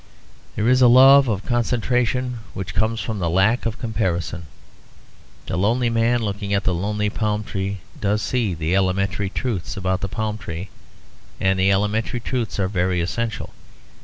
There is a love of concentration which comes from the lack of comparison. The lonely man looking at the lonely palm tree does see the elementary truths about the palm tree; and the elementary truths are very essential.